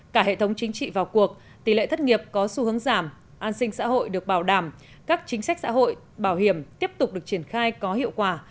cả hệ thống chính trị vào cuộc tỷ lệ thất nghiệp có xu hướng giảm an sinh xã hội được bảo đảm các chính sách xã hội bảo hiểm tiếp tục được triển khai có hiệu quả